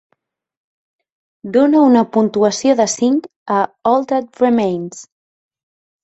Dona una puntuació de cinc a All That Remains